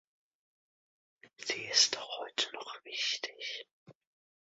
Sie ist auch heute noch wichtig.